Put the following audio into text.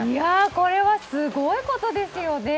これはすごいことですよね！